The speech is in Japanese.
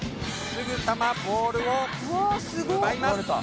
すぐさまボールを奪います。